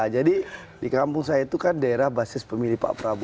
jadi di kampung saya itu kan daerah basis pemilih pak prabowo